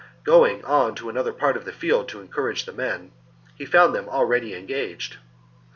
Going on to another part of the field to encourage the men, he found them already en gaged.